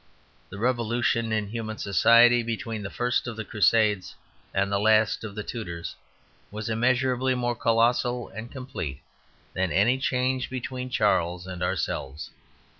The revolution in human society between the first of the Crusades and the last of the Tudors was immeasurably more colossal and complete than any change between Charles and ourselves.